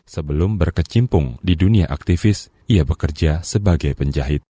sebelum berkecimpung di dunia aktivis ia bekerja sebagai penjahit